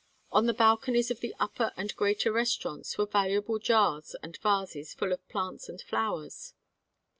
On the balconies of the upper and greater restaurants were valuable jars and vases full of plants and flowers.